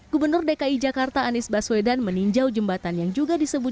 gubernur dki jakarta anies baswedan meninjau jembatan yang juga disebut